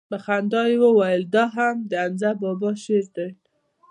په خندا يې وويل دا هم دحمزه بابا شعر دىه.